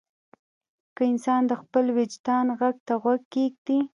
که انسان د خپل وجدان غږ ته غوږ کېږدي.